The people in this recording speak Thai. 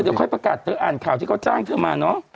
เดี๋ยวค่อยประกาศเธออ่านข่าวที่เขาจ้างเธอมาเนอะ